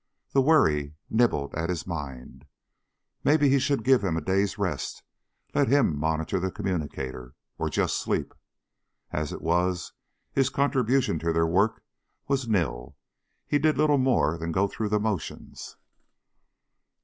The worry nibbled at his mind. Maybe he should give him a day's rest let him monitor the communicator. Or just sleep. As it was his contribution to their work was nil. He did little more than go through the motions.